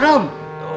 rum buka rum